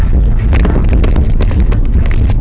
ส่วนความตื่นสุขทุกข้าง